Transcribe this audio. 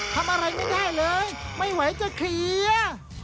ทำอะไรไม่ได้เลยไม่ไหวจะเคลียร์